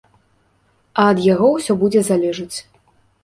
А ад яго ўсё будзе залежаць.